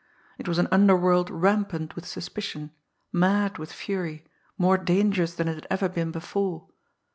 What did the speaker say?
It was an underworld rampant with suspicion, mad with fury, more dangerous than it had ever been before.